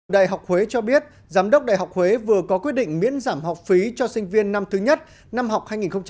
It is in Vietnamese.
đại học huế cho biết giám đốc đại học huế vừa có quyết định miễn giảm học phí cho sinh viên năm thứ nhất năm học hai nghìn một mươi sáu hai nghìn một mươi bảy